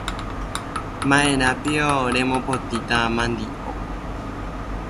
Ma’erãpio remopotĩta mandi’o.